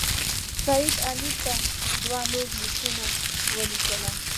سید امیر ته دوه نور لیکونه ولیکل.